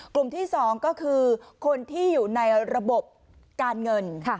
กลุ่มที่๒ก็คือคนที่อยู่ในระบบการเงิน